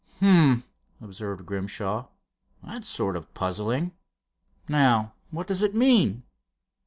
'" "H'm," observed Grimshaw. "That's sort of puzzling. Now, what does it mean?"